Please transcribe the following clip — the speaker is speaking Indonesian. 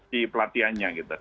di pelatihannya gitu